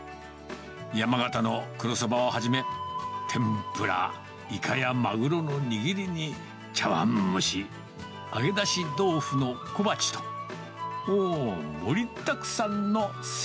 山形の黒そばをはじめ、天ぷら、イカやマグロの握りに、茶わん蒸し、揚げだし豆腐の小鉢と、うーん。